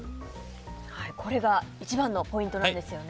これが一番のポイントなんですよね。